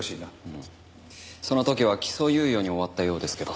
その時は起訴猶予に終わったようですけど。